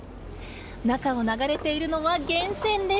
中を流れているのは源泉です。